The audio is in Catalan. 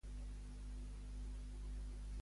Me'n vaig i els sevillans s'ofereixen a acompanyar-me.